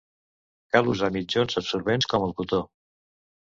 Cal usar mitjons absorbents, com el cotó.